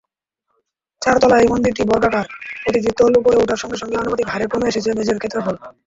চারতলা এই মন্দিরটি বর্গাকার, প্রতিটি তল ওপরে ওঠার সঙ্গে সঙ্গে আনুপাতিক হারে কমে এসেছে মেঝের ক্ষেত্রফল।